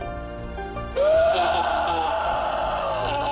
うわ！！